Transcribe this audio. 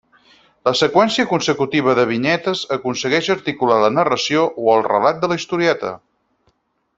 La seqüència consecutiva de vinyetes aconsegueix articular la narració o el relat de la historieta.